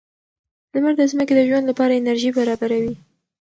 لمر د ځمکې د ژوند لپاره انرژي برابروي.